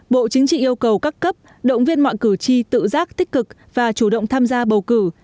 bộ chính trị yêu cầu các cấp động viên mọi cử tri tự giác tích cực và chủ động tham gia bầu cử